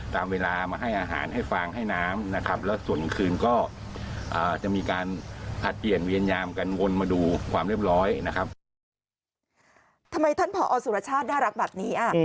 ทำไมท่านผอสุรชาติน่ารักแบบนี้